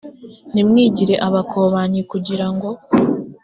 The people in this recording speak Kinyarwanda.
ntimwigire abakobanyi r kugira ngo